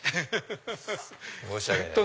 申し訳ない。